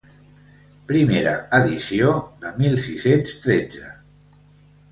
Primera edició de mil sis-cents tretze.